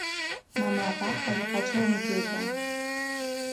Mamaaqa hallqatrawmi kaykan.